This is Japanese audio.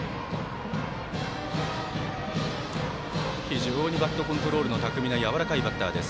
非常にバットコントロールの巧みなやわらかいバッターです。